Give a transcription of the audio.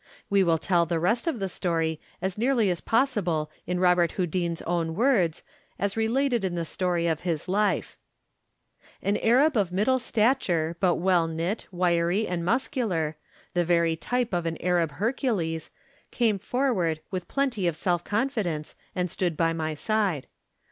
We will tell the rest of the story as nearly as possible in Robert Houd in' s own words, as related in the story of his life: —" An Arab of middle stature, but weil knit, wiry, and muscular \ the very type of an Arab Hercules, came forward, with plenty of self confidence, and stood by my side.